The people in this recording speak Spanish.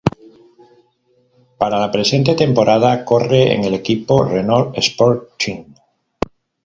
Para la presente temporada, corre en el equipo Renault Sport Team.